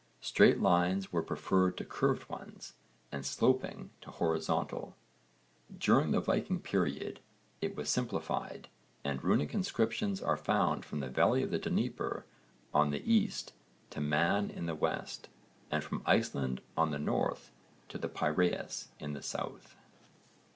Straight lines were preferred to curved ones and sloping to horizontal. During the Viking period it was simplified, and runic inscriptions are found from the valley of the Dnieper on the east to Man in the west, and from Iceland on the north to the Piraeus in the south.